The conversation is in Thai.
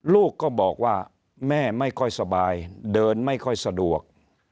ลูกก็บอกว่าแม่ไม่ค่อยสบายเดินไม่ค่อยสะดวก